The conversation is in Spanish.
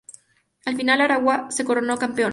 Al final Aragua se coronó campeón.